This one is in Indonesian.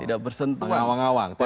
tidak bersentuhan di pendidikan publik